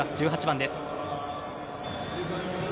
１８番です。